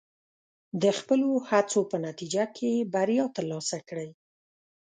د خپلو هڅو په نتیجه کې بریا ترلاسه کړئ.